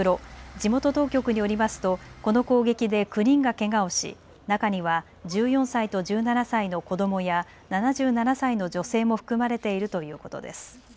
地元当局によりますとこの攻撃で９人がけがをし中には１４歳と１７歳の子どもや７７歳の女性も含まれているということです。